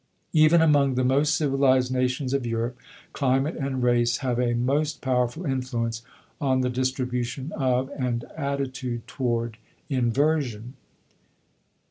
Even among the most civilized nations of Europe, climate and race have a most powerful influence on the distribution of, and attitude toward, inversion.